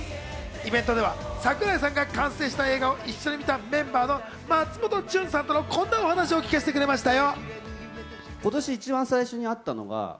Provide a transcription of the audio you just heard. イベントでは櫻井さんが完成した映画を一緒に見たメンバーの松本潤さんとのこんなお話を聞かせてくれましたよ。